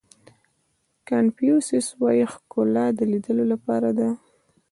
کانفیو سیس وایي ښکلا د لیدلو لپاره ده.